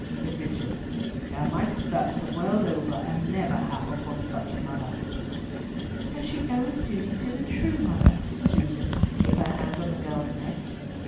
said Richard. "Thou mightest search the world over and never hap upon such another." "But she oweth duty to the true mother," said Susan, with her hand on the girl's neck.